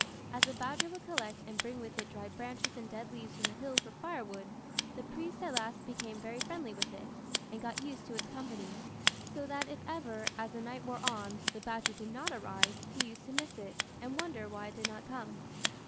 As the badger would collect and bring with it dried branches and dead leaves from the hills for firewood, the priest at last became very friendly with it, and got used to its company; so that if ever, as the night wore on, the badger did not arrive, he used to miss it, and wonder why it did not come.